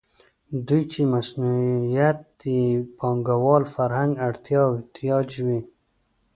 دوی چې مصونیت یې د پانګوال فرهنګ اړتیا او احتیاج وي.